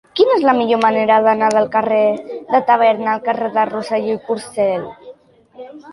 Quina és la millor manera d'anar del carrer de Tavern al carrer de Rosselló i Porcel?